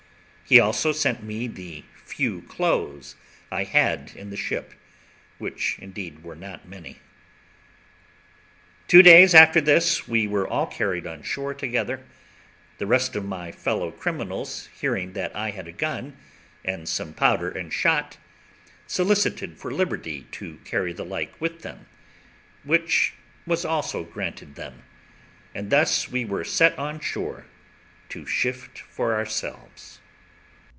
He also sent me the few clothes I had in the ship, which indeed were not many. Two days after this, we were all carried on shore together; the rest of my fellow criminals hearing I had a gun, and some powder and shot, solicited for liberty to carry the like with them, which was also granted them; and thus we were set on shore to shift for ourselves.